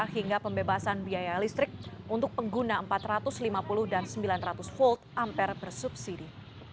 hingga pembebasan biaya listrik untuk pengguna empat ratus lima puluh dan sembilan ratus volt ampere bersubsidi